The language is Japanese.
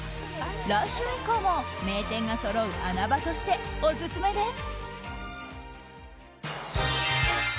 来週以降も名店がそろう穴場としてオススメです。